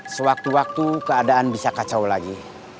sewaktu waktu keadaan bisa kacau lagi